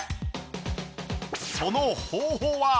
その方法は！